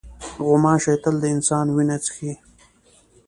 غوماشې تل د انسان وینه څښي.